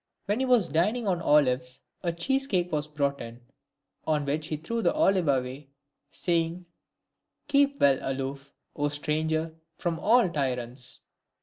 When he was dining on olives, a cheese cake was brought in, on which he threw the olive away, saying :— Keep well aloof, 0 stranger, from all tyrants.